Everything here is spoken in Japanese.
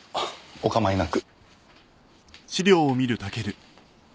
お構いなく。